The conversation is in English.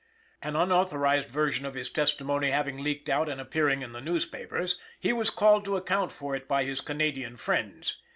An unauthorized version of his testimony having leaked out and appearing in the newspapers, he was called to account for it by his Canadian friends.